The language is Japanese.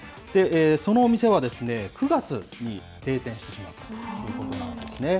そのお店は９月に閉店してしまったということなんですね。